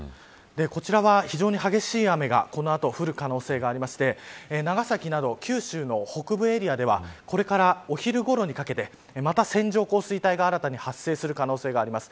こちらは非常に激しい雨がこの後、降る可能性がありまして長崎など九州の北部エリアではこれから昼ごろにかけてまた線状降水帯が新たに発生する可能性があります。